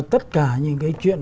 tất cả những cái chuyện